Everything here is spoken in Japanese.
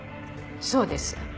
そうです。